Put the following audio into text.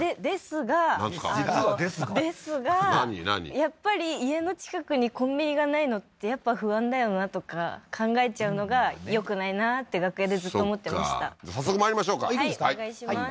やっぱり家の近くにコンビニがないのってやっぱ不安だよなとか考えちゃうのがよくないなって楽屋でずっと思ってました早速まいりましょうかはいお願いします